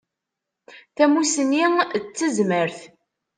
Tamussni d tazmert.